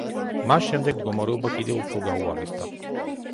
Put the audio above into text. მას შემდეგ მდგომარეობა კიდევ უფრო გაუარესდა.